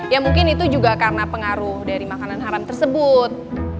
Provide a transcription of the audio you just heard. ya mungkin itu juga karena pengaruh dari makanan haram tersebut